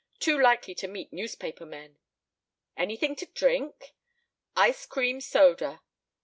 Too likely to meet newspaper men." "Anything to drink?" "Ice cream soda."